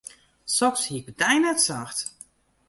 Soks hie ik by dy net socht.